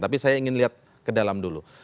tapi saya ingin lihat ke dalam dulu